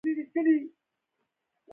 د کلي تر زیاتو کورنیو شتمنه او بډایه وه.